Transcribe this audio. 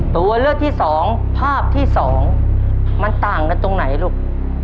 ตัวเลือกที่สองภาพที่๒มันต่างกันตรงไหนลูก